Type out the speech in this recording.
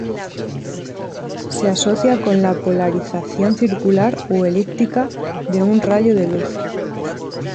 Se asocia con la polarización circular o elíptica de un rayo de luz.